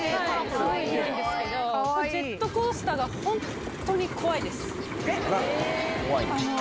すごい広いんですけど、ジェットコースターが本当に怖いです。